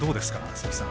鈴木さん